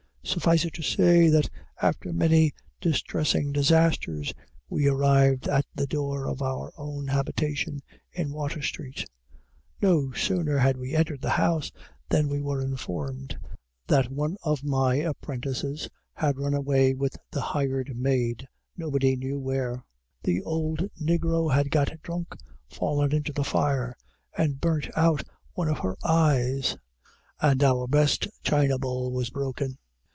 Suffice it to say, that, after many distressing disasters, we arrived at the door of our own habitation in Water street. No sooner had we entered the house than we were informed that one of my apprentices had run away with the hired maid, nobody knew where; the old negro had got drunk, fallen into the fire, and burnt out one of her eyes; and our best china bowl was broken.